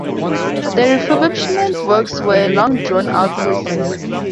The refurbishment works were a long drawn out process.